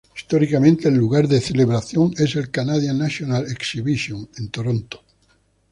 Históricamente, el lugar de celebración es el Canadian National Exhibition, en Toronto.